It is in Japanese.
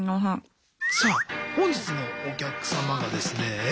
さあ本日のお客様がですね